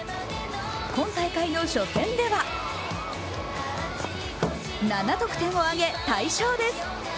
今大会の初戦では７得点を挙げ大勝です。